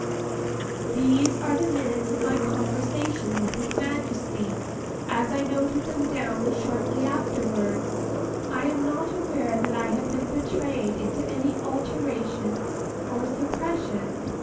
These are the minutes of my conversation with His Majesty, as I noted them down shortly afterwards. I am not aware that I have been betrayed into any alteration or suppression.